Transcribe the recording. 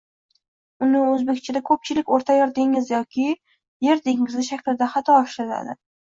Uni oʻzbekchada koʻpchilik oʻrtayer dengizi yoki oʻrta Yer dengizi shaklida xato ishlatadi